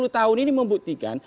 dua puluh tahun ini membuktikan